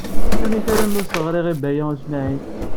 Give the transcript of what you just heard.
Amek armi ur as-ɣriɣ i Baya U Smaɛil?